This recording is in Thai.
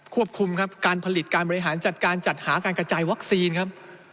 ควบคุมครับการผลิตการบริหารจัดการจัดหาการกระจายวัคซีนครับ